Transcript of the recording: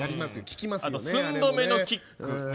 寸止めのキック。